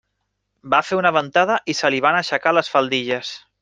Va fer una ventada i se li van aixecar les faldilles.